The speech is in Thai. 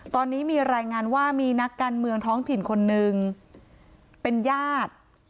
ตอนนี้มีรายงานว่ามีนักการเมืองท้องถิ่นคนนึงเป็นญาติ